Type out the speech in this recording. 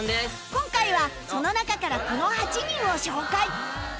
今回はその中からこの８人を紹介